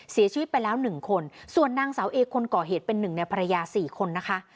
เสียชีวิตไปแล้ว๑คนส่วนนางสาวเอกคนก่อเหตุเป็น๑ในภรรยา๔คนนะคะ